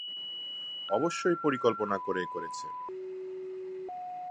অবশ্যই পরিকল্পনা করে করেছ।